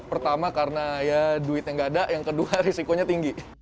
pertama karena ya duitnya nggak ada yang kedua risikonya tinggi